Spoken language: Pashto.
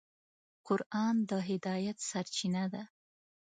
قرآن د هدایت سرچینه ده.